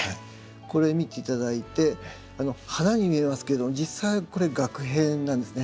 これ見て頂いて花に見えますけど実際はこれ萼片なんですね。